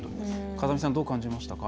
風見さんどう感じましたか？